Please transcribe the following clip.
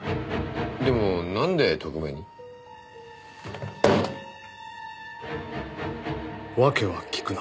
でもなんで特命に？わけは聞くな。